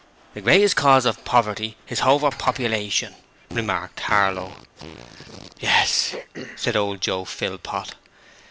'The greatest cause of poverty is hover population,' remarked Harlow. 'Yes,' said old Joe Philpot.